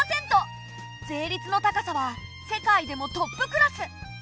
税率の高さは世界でもトップクラス！